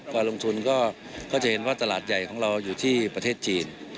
การลงทุนก็จะเห็นว่าตลาดใหญ่ของเราอยู่ที่ประเทศจีน